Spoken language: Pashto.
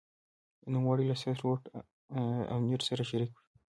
نوموړی له ستروټ او نیډ سره شریک شو.